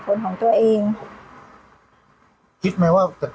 กล้วยทอด๒๐๓๐บาท